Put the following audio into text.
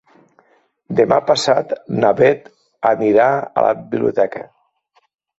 Demà passat na Beth anirà a la biblioteca.